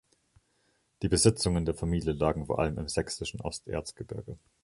Die Besitzungen der Familie lagen vor allem im sächsischen Osterzgebirge.